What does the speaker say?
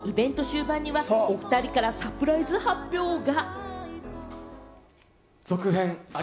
さらに、イベント終盤には、おふたりからサプライズ発表が。